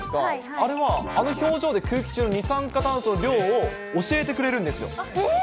あれはあの表情で、空気中の二酸化炭素の量を教えてくれるんですえー！